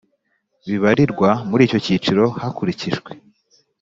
Bibarirwa muri icyo cyiciro hakurikijwe